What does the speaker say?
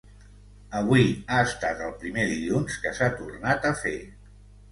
Avui ha estat el primer dilluns que s’ha tornat a fer.